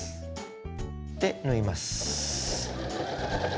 で縫います。